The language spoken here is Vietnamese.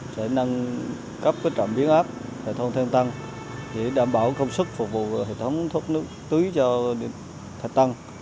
sẽ nâng cấp cái trộm biến ốp tại thông thanh tăng để đảm bảo công suất phục vụ hệ thống thuốc nước tưới cho thanh tăng